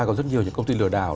có rất nhiều công ty lừa đảo